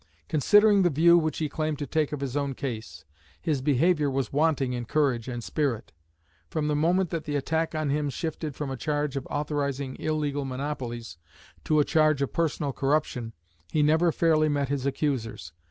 Considering the view which he claimed to take of his own case, his behaviour was wanting in courage and spirit. From the moment that the attack on him shifted from a charge of authorising illegal monopolies to a charge of personal corruption, he never fairly met his accusers.